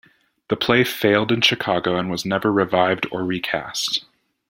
The play failed in Chicago and was never revived or recast.